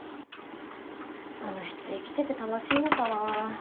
あの人生きてて楽しいのかな。